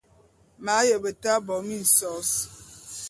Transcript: M’ aye beta bo minsos.